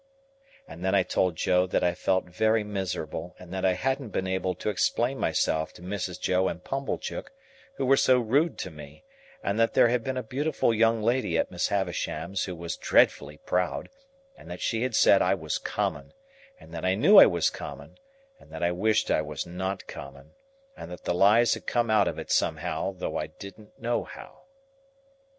And then I told Joe that I felt very miserable, and that I hadn't been able to explain myself to Mrs. Joe and Pumblechook, who were so rude to me, and that there had been a beautiful young lady at Miss Havisham's who was dreadfully proud, and that she had said I was common, and that I knew I was common, and that I wished I was not common, and that the lies had come of it somehow, though I didn't know how.